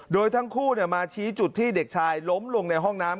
โดยทั้งคู่มาชี้จุดที่เด็กชายล้มลงในห้องน้ำ